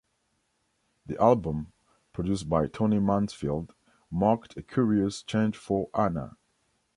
The album, produced by Tony Mansfield, marked a curious change for Ana.